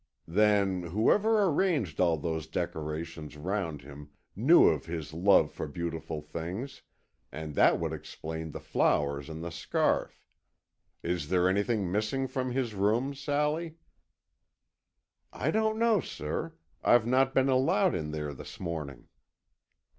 "Then, whoever arranged all those decorations round him knew of his love for beautiful things, and that would explain the flowers and the scarf. Is there anything missing from his room, Sally?" "I don't know, sir. I've not been allowed in there this morning."